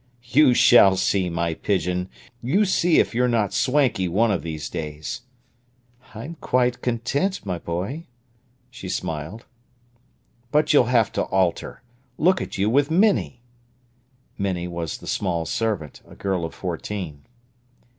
"You shall see, my pigeon! You see if you're not swanky one of these days!" "I'm quite content, my boy," she smiled. "But you'll have to alter. Look at you with Minnie!" Minnie was the small servant, a girl of fourteen.